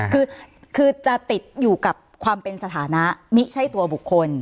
คือจะติดอยู่กับความเป็นสถานะไม่ใช่ตัวบุคคล